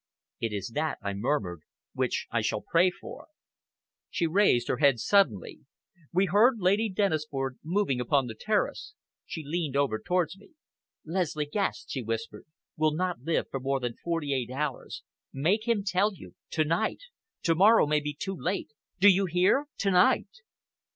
"It is that," I murmured, "which I shall pray for!" She raised her head suddenly. We heard Lady Dennisford moving upon the terrace. She leaned over towards me. "Leslie Guest," she whispered, "will not live for more than forty eight hours. Make him tell you to night! To morrow may be too late. Do you hear? to night!"